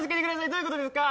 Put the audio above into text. どういうことですか。